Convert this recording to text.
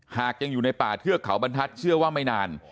หากยังอยู่ในป่าเทือกเขาบรรทัศน์เชื่อว่าไม่นาน